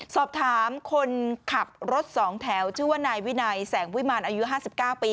สอบถามคนขับรถ๒แถวชื่อว่านายวินัยแสงวิมารอายุ๕๙ปี